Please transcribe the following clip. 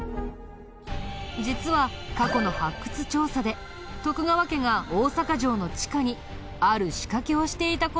実は過去の発掘調査で徳川家が大阪城の地下にある仕掛けをしていた事が判明。